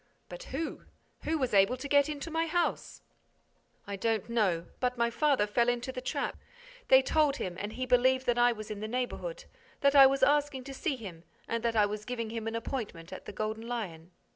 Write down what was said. "But who? Who was able to get into my house?" "I don't know, but my father fell into the trap. They told him and he believed that I was in the neighborhood, that I was asking to see him and that I was giving him an appointment at the Golden Lion."